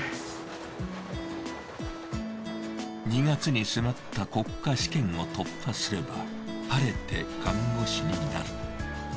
２月に迫った国家試験を突破すれば晴れて看護師になる。